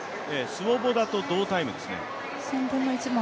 スウォボダと同タイムです。